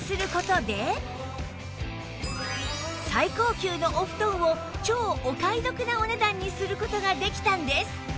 最高級のお布団を超お買い得なお値段にする事ができたんです